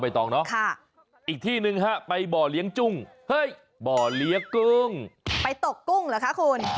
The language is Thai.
ไปตกกุ้งเหรอคะคุณ